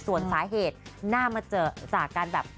ส่วนสาเหตุน่ามาเจอจากการแบบ